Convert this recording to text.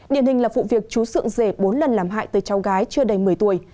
điển hình là vụ việc chú dưỡng rể bốn lần làm hại từ cháu gái chưa đầy một mươi tuổi